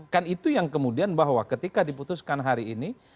kan itu yang kemudian bahwa ketika diputuskan hari ini